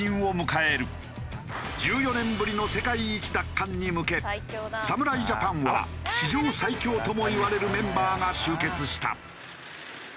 １４年ぶりの世界一奪還に向け侍ジャパンは史上最強ともいわれるメンバーが集結した。